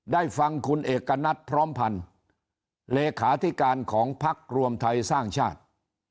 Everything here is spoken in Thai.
ได้ฟังคุณเอกณัฐพร้อมพันธ์เลขาธิการของพักรวมไทยสร้างชาติ